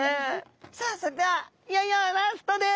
さあそれではいよいよラストです。